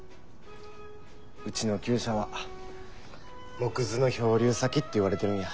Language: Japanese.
うちの厩舎は藻くずの漂流先って言われてるんや。